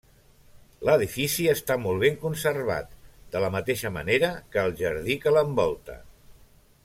L'edifici està molt ben conservat de la mateixa manera que el jardí que l'envolta.